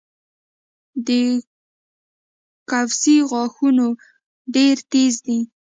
د کوسې غاښونه ډیر تېز دي